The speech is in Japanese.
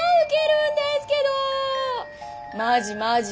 「マジマジ。